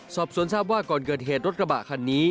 สอบสวนทราบว่าก่อนเกิดเหตุรถกระบะคันนี้